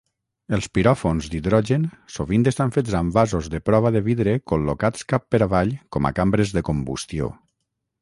Els piròfons d'hidrogen sovint estan fets amb vasos de prova de vidre col·locats cap per avall com a cambres de combustió.